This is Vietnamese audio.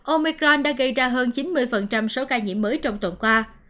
omicron đã gây ra hơn chín mươi số ca nhiễm mới trong tuần qua